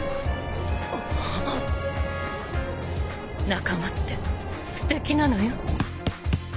仲間ってすてきなのよ。